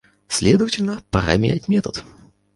Следовательно, пора менять метод.